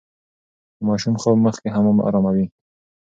د ماشوم خوب مخکې حمام اراموي.